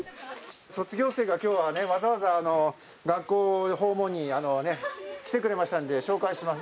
卒業生がきょうはね、わざわざ、学校訪問に来てくれましたんで、紹介します。